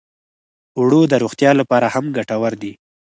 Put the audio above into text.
اوړه د روغتیا لپاره هم ګټور دي